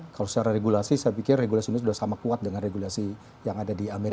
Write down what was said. kalau secara regulasi saya pikir regulasi ini sudah sama kuat dengan regulasi yang ada di amerika